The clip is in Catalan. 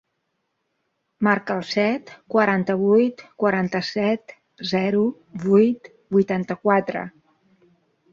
Marca el set, quaranta-vuit, quaranta-set, zero, vuit, vuitanta-quatre.